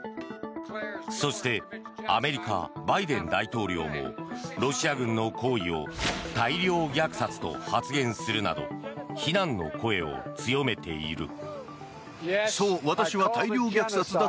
そしてアメリカ、バイデン大統領もロシア軍の行為を大量虐殺と発言するなど非難の声を強めている。